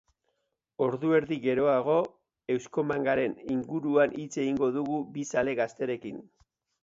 Ordu erdi geroago, euskomangaren inguruan hitz egingo dugu bi zale gazterekin.